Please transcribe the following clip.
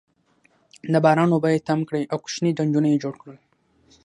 د باران اوبه یې تم کړې او کوچني ډنډونه یې جوړ کړل.